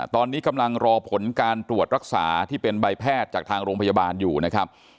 ตอนนี้กำลังรอผลการตรวจรักษาที่เป็นใบแพทย์จากทางโรงพยาบาลอยู่นะครับ